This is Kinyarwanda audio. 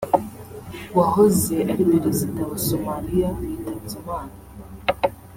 wahoze ari perezida wa Somalia yitabye Imana